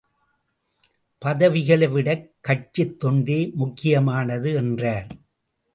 பதவிகளை விடக் கட்சித் தொண்டே முக்கியமானது என்றார்.